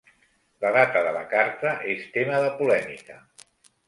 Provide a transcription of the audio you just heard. La data de la carta és tema de polèmica.